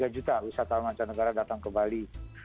tiga juta wisatawan mancanegara datang ke bali